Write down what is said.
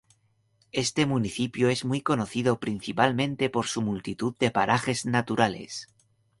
Este municipio es muy conocido principalmente por su multitud de parajes naturales.